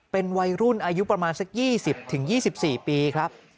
เป็นวัยรุ่นอายุประมาณสัก๒๐๒๔ปีครับ